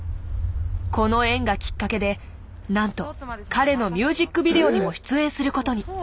この縁がきっかけでなんと彼のミュージックビデオにも出演することに。